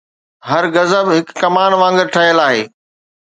هر غضب هڪ ڪمان وانگر ٺهيل آهي